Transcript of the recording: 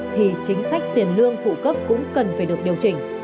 thì chính sách tiền lương phụ cấp cũng cần phải được điều chỉnh